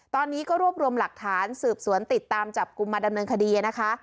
ตอนนี้ก็รวบรวมหลักฐานสืบสวนติดตามจับกลุ่มมาดำเนินคดีนะคะ